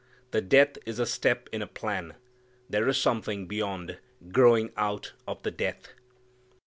The death is a step in a plan. There is something beyond, growing out of the death.